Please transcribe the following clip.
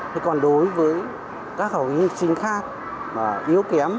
thế còn đối với các học sinh khác mà yếu kém